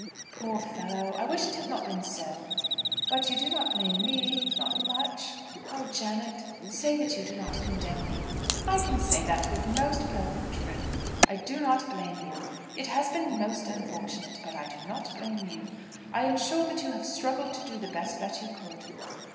"Poor fellow! I wish it had not been so." "But you do not blame me; not much? Oh, Janet, say that you do not condemn me." "I can say that with most perfect truth. I do not blame you. It has been most unfortunate; but I do not blame you. I am sure that you have struggled to do the best that you could."